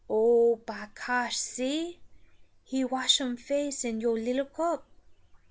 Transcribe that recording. "O bah cosh, see! He wash um face in yo lil cup."